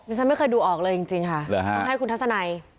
ฉันไม่เคยดูออกเลยจริงค่ะต้องให้คุณทัศนัย